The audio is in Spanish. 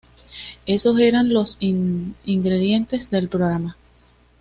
Esos eran los ingredientes del programa.